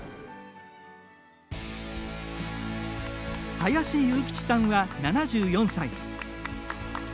林佑佶さんは７４歳。